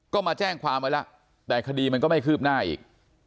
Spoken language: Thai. ก็มาแจ้งความไว้แล้วแต่คดีมันก็ไม่คืบหน้าอีก